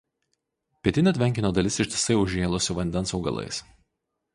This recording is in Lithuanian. Pietinė tvenkinio dalis ištisai užžėlusi vandens augalais.